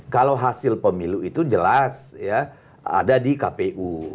kalau hasil pemilu itu jelas ya ada di kpu